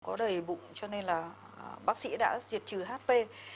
có đầy bụng cho nên là bác sĩ đã diệt trừ hp